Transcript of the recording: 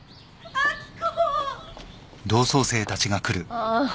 ああ。